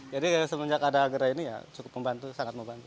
jadi semenjak ada gerai ini ya cukup membantu sangat membantu